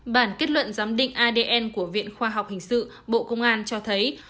bản kết luận giám định adn của viện khoa học hình sự bộ công an cho thấy